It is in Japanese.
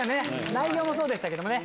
内容もそうでしたけどもね。